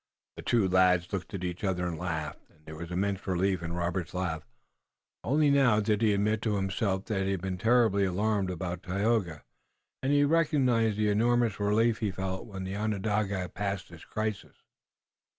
The two lads looked at each other and laughed, and there was immense relief in Robert's laugh. Only now did he admit to himself that he had been terribly alarmed about Tayoga, and he recognized the enormous relief he felt when the Onondaga had passed his crisis.